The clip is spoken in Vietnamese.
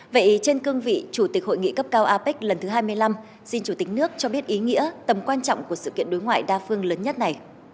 vậy trên cương vị chủ tịch hội nghị cấp cao apec lần thứ hai mươi năm xin chủ tịch nước cho biết ý nghĩa tầm quan trọng của sự kiện đối ngoại đa phương lớn nhất này